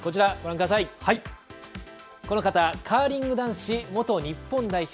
カーリング男子元日本代表